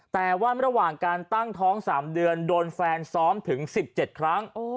แต่ว่าระหว่างการตั้งท้อง๓เดือนโดนแฟนซ้อมถึง๑๗ครั้ง